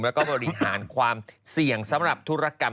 แล้วก็บริหารความเสี่ยงสำหรับธุรกรรม